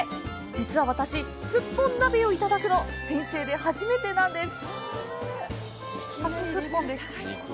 実は私、すっぽん鍋をいただくの、人生で初めてなんです。